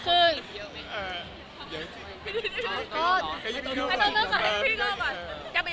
คือเอ่อเยอะจริง